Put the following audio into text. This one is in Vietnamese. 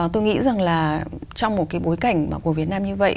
tôi nghĩ rằng là trong một cái bối cảnh của việt nam như vậy